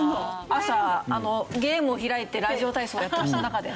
朝ゲームを開いてラジオ体操やってました中で。